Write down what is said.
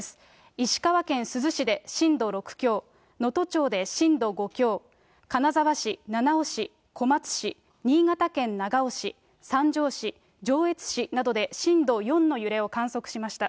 石川県珠洲市で震度６強、能登町で震度５強、金沢市、七尾市、小松市、新潟県七尾市、三条市、上越市などで震度４の揺れを観測しました。